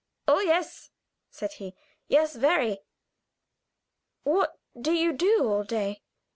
"Oh, yes!" said he. "Yes, very." "What do you do all day?"